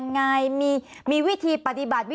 มันเป็นอาหารของพระราชา